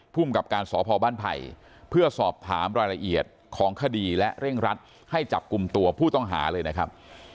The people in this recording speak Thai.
ภูมิกับการสพบ้านไผ่เพื่อสอบถามรายละเอียดของคดีและเร่งรัดให้จับกลุ่มตัวผู้ต้องหาเลยนะครับ